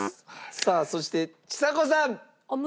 さあそしてちさ子さん。